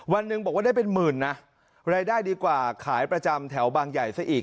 วันหนึ่งบอกว่าได้เป็นหมื่นนะรายได้ดีกว่าขายประจำแถวบางใหญ่ซะอีก